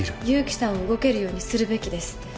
勇気さんを動けるようにするべきです。